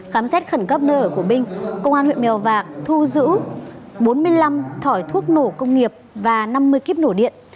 khám xét khẩn cấp nơi ở của minh công an huyện mèo vạc thu giữ bốn mươi năm thỏi thuốc nổ công nghiệp và năm mươi kíp nổ điện